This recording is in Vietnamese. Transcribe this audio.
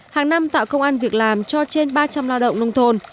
hàng năm tạo công an việc làm cho trên ba trăm linh lao động nông thôn